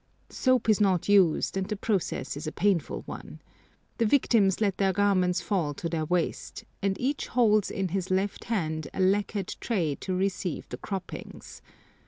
Soap is not used, and the process is a painful one. The victims let their garments fall to their waists, and each holds in his left hand a lacquered tray to receive the croppings.